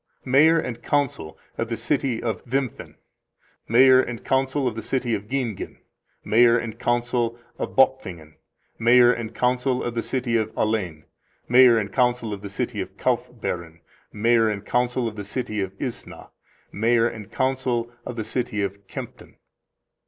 Mayor and Council of the City of Wimpffen. Mayor and Council of the City of Giengen. Mayor and Council of Bopfingen. Mayor and Council of the City of Alen. Mayor and Council of the City of Kaufbeuren. Mayor and Council of the City of Isna. Mayor and Council of the City of Kempten.